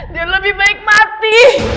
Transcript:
dia lebih baik mati